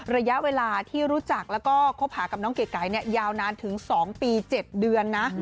ระยะเวลาที่รู้จักแล้วก็คบหากับน้องเก๋ไก่ยาวนานถึง๒ปี๗เดือนนะ